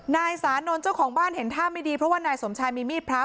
นายสานนท์เจ้าของบ้านเห็นท่าไม่ดีเพราะว่านายสมชายมีมีดพระ